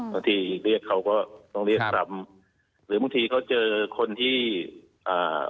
บางทีเรียกเขาก็ต้องเรียกซ้ำหรือบางทีเขาเจอคนที่อ่า